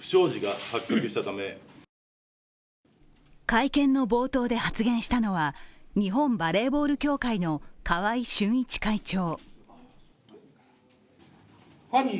会見の冒頭で発言したのは日本バレーボール協会の川合俊一会長。